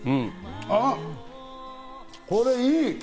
あ、これいい！